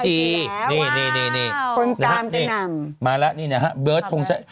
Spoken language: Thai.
ตรงตามก็นำ